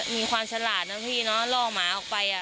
มีความฉลาดนะพี่เนอะล่อหมาออกไป